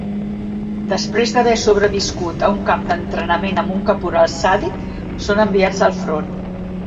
Després d'haver sobreviscut a un camp d'entrenament amb un caporal sàdic, són enviats al front.